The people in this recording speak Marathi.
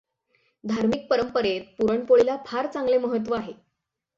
धामि॔क पंरपंरेत पुरणपोळीला फार चांगले महत्त्व आहे.